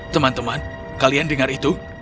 teman teman kalian dengar itu